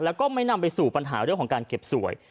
แล้วก็ไม่นำไปสู่ปัญหาเรื่องของการเก็บสวย